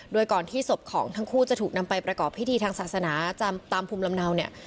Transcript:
โดยก่อนที่ศพของทั้งคู่จะถูกนำไปประกอบพิธีทางศาสนาตามภูมิลำเนาเนี่ย